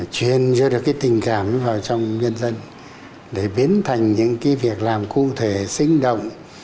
truyền ra được cái tình cảm vào trong nhân dân để biến thành những cái việc làm cụ thể sinh động